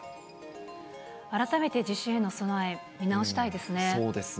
改めて地震への備え、見直したいですね。